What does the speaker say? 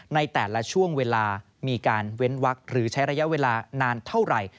ในแต่ละช่วงเวลามีการเว้นวักหรือใช้ระยะเวลานานเท่าไหร่